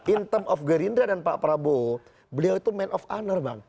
in term of gerindra dan pak prabowo beliau itu man of owner bang